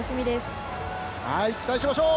期待しましょう！